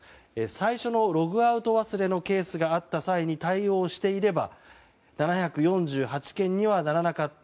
最初のログアウト忘れのケースがあった際に対応していれば７４８件にはならなかった。